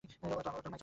ও তোর মায়ের ছোট ভাই।